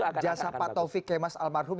saya ingat jasa patofik kayak mas almarhum